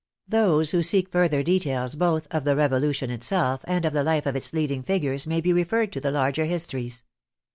Those who seek further details both of the Revolution itself and of the life of its leading figures may be re ferred to the larger histories.